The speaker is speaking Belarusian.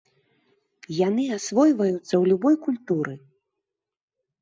Яны асвойваюцца ў любой культуры.